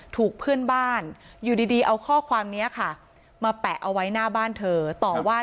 ถูกเพื่อนบ้านอยู่ดีเอาข้อความนี้ค่ะมาแปะเอาไว้หน้าบ้านเธอต่อว่า